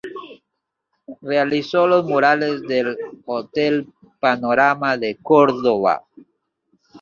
Realizó los murales del Hotel Panorama de Córdoba.